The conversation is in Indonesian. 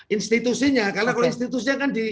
institusinya karena kalau institusinya